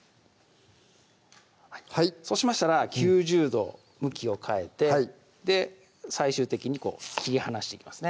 そうしましたら９０度向きを変えて最終的に切り離していきますね